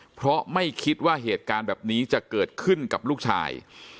เพราะไม่คิดว่าเหตุการณ์แบบนี้จะเกิดขึ้นกับลูกชาย